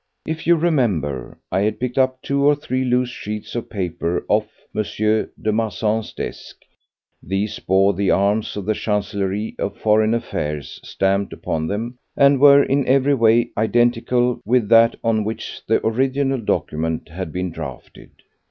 If you remember, I had picked up two or three loose sheets of paper off M. de Marsan's desk; these bore the arms of the Chancellerie of Foreign Affairs stamped upon them, and were in every way identical with that on which the original document had been drafted.